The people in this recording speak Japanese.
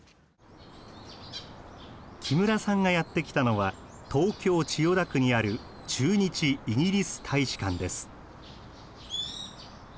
木村さんがやって来たのは東京・千代田区にある駐日イギリス大使館です。